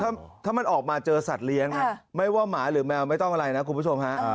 ถ้ามันออกมาเจอสัตว์เลี้ยงไม่ว่าหมาหรือแมวไม่ต้องอะไรนะคุณผู้ชมฮะ